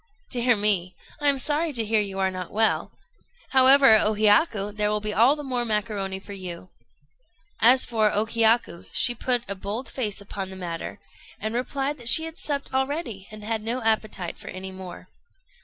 "Dear me! I am sorry to hear you are not well. However, O Hiyaku, there will be all the more macaroni for you." As for O Hiyaku, she put a bold face upon the matter, and replied that she had supped already, and had no appetite for any more.